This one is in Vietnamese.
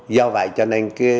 do vậy cho nên